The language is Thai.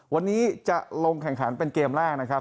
วันนี้จะลงแข่งขันเป็นเกมแรกนะครับ